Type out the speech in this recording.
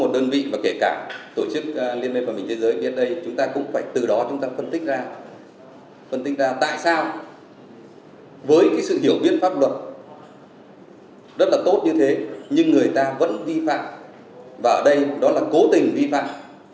rất là tốt như thế nhưng người ta vẫn vi phạm và ở đây đó là cố tình vi phạm